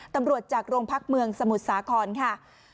ตำรวจจากโรงพักเมืองสมุทรสาครค่ะ